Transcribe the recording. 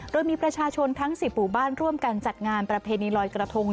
โดยมีประชาชนทั้ง๔หมู่บ้านร่วมกันจัดงานประเพณีลอยกระทง